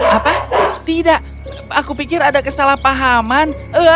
apa tidak aku pikir ada kesalahpahaman